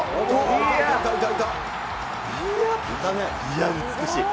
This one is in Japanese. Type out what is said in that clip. いや美しい。